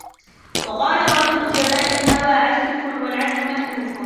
وَقَالَ بَعْضُ الْأُدَبَاءِ الْهَوَى عَسُوفٌ ، وَالْعَدْلُ مَأْلُوفٌ